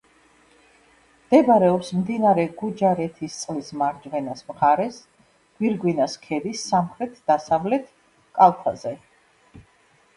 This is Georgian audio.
მდებარეობს მდინარე გუჯარეთისწყლის მარჯვენა მხარეს, გვირგვინას ქედის სამხრეთ–დასავლეთ კალთაზე.